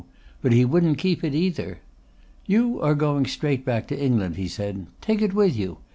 But he wouldn't keep it either. "You are going straight back to England," he said. "Take it with you.